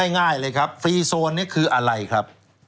ง่ายเลยครับฟรีโซนนี้คืออะไรครับ